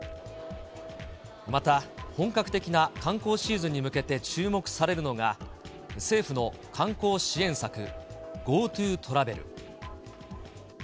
また、本格的な観光シーズンに向けて、注目されるのが、政府の観光支援策、ＧｏＴｏトラベル。